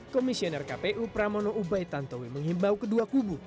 komisioner kpu pramono ubaitantowi menghimbau kedua kubu